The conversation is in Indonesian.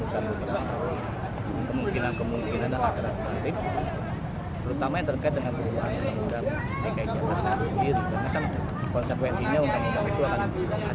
sebelumnya wali kota bekasi yang terkait dengan dki jakarta